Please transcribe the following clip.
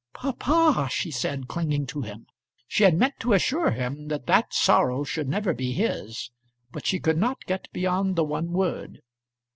"Papa!" she said, clinging to him. She had meant to assure him that that sorrow should never be his, but she could not get beyond the one word.